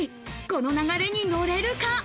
この流れに乗れるか？